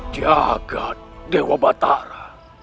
di agak dewa batara